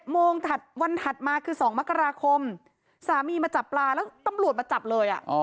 โมงถัดวันถัดมาคือ๒มกราคมสามีมาจับปลาแล้วตำรวจมาจับเลย